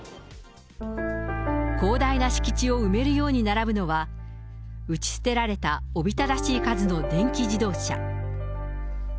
広大な敷地を埋めるように並ぶのは、打ち捨てられたおびただしい数の電気自動車。